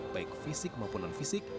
baik fisik maupun non fisik